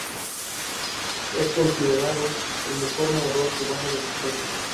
Se adhirió a un código moral que enfatizaba el coraje bajo situaciones difíciles.